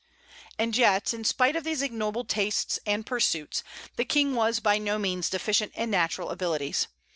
And yet, in spite of these ignoble tastes and pursuits, the King was by no means deficient in natural abilities.